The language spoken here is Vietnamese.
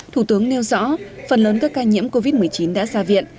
thủ tướng nêu rõ phần lớn các ca nhiễm covid một mươi chín đã ra viện